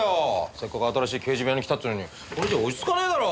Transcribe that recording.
せっかく新しい刑事部屋に来たっつうのにこれじゃ落ち着かねえだろ！